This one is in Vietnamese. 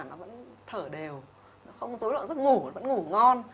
nó vẫn thở đều nó không dối loạn rất ngủ nó vẫn ngủ ngon